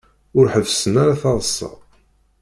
Ur ḥebbesen ara taḍsa.